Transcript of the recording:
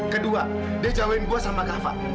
kedua dia jauhin gue sama kava